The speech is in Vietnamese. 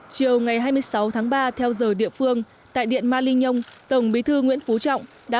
chiều hai mươi sáu ba theo giờ địa phương tại điện marignyong tổng bí thư nguyễn phú trọng đã